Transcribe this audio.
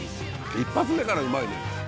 １発目からうまいね。